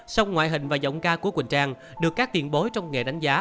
song ngoại hình và giọng ca của quỳnh trang được các tuyên bố trong nghề đánh giá